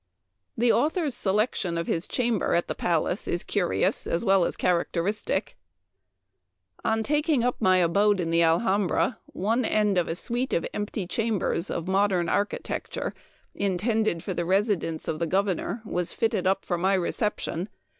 The author's selection of his chamber at the palace is curious as well as characteristic :" On taking up my abode in the Alhambra, one end of a suite of empty chambers of modern architecture, intended for the residence of the governor, was fitted up for my reception.